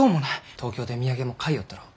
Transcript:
東京で土産も買いよったろう？